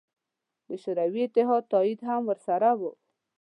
د شوروي اتحاد تایید هم ورسره و.